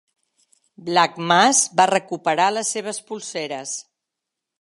Black Mass va recuperar les seves polseres.